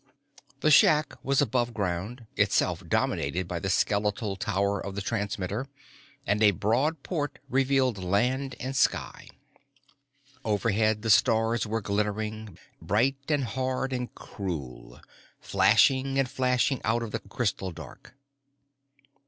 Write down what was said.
The shack was above ground, itself dominated by the skeletal tower of the transmitter, and a broad port revealed land and sky. Overhead the stars were glittering, bright and hard and cruel, flashing and flashing out of the crystal dark.